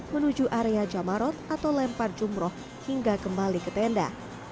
menuju area jamarot atau lempar jumroh hingga kembali ke tenda